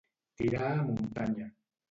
Tirar a muntanya.